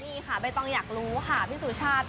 นี่ค่ะใบตองอยากรู้ค่ะพี่สุชาติ